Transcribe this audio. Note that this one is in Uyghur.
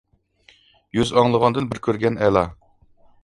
يۈز ئاڭلىغاندىن بىر كۆرگەن ئەلا.